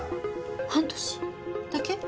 半年だけ？